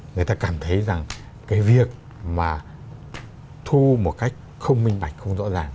người ta cảm thấy rằng cái việc mà thu một cách không minh bạch không rõ ràng